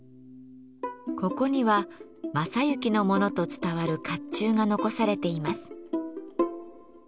ここには昌幸のものと伝わる甲冑が残されています。